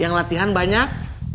yang latihan banyak